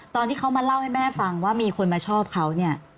ตอนที่เขามาเล่าให้แม่ฟังว่ามีคนมาชอบเขาเนี่ย